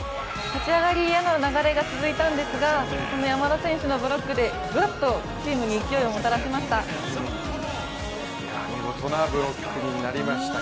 立ち上がり、嫌な流れが続いたんですが、山田選手のブロックがチームに勢いをもたらしました。